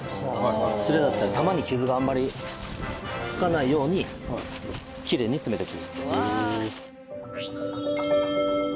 擦れだったり玉に傷があんまりつかないようにきれいに詰めていく。